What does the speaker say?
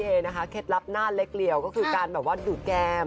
เรียกว่าเขตรับหน้าเล็กเหลี่ยวก็คือการแบบว่าดูแก้ม